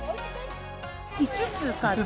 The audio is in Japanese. ５つ買って。